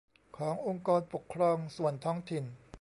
ขององค์กรปกครองส่วนท้องถิ่น